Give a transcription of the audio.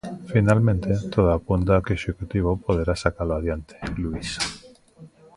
Finalmente, todo apunta que o Executivo poderá sacalo adiante, Luís.